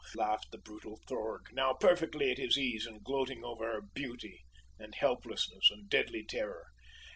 laughed the brutal Thorg, now perfectly at his ease, and gloating over her beauty, and helplessness, and, deadly terror.